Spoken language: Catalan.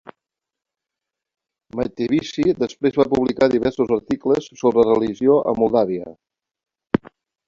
Mateevici després va publicar diversos articles sobre religió a Moldàvia.